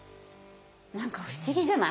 何か不思議じゃない？